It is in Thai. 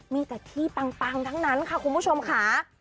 มีแต่ที่ปังทั้งนั้นค่ะคุณผู้ชมค่ะ